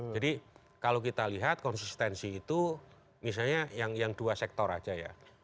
jadi kalau kita lihat konsistensi itu misalnya yang dua sektor saja ya